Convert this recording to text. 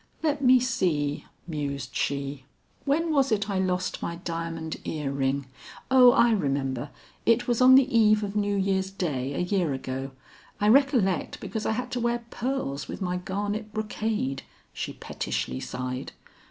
"Let me see," mused she. "When was it I lost my diamond ear ring? O I remember, it was on the eve of New Year's day a year ago; I recollect because I had to wear pearls with my garnet brocade," she pettishly sighed.